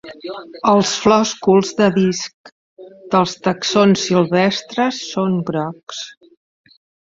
Els flòsculs de disc dels tàxons silvestres són grocs.